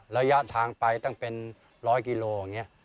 ระยะทางไปตั้งเป็น๑๐๐กิโลกรัม